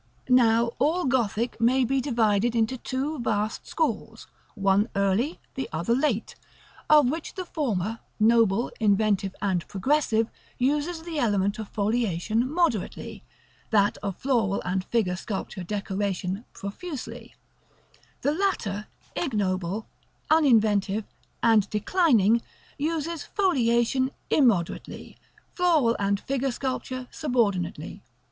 § C. Now, all Gothic may be divided into two vast schools, one early, the other late; of which the former, noble, inventive, and progressive, uses the element of foliation moderately, that of floral and figure sculpture decoration profusely; the latter, ignoble, uninventive, and declining, uses foliation immoderately, floral and figure sculpture subordinately.